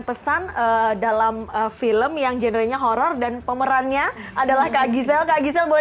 pesan dalam film yang genre nya horror dan pemerannya adalah kak gisel kak gisel boleh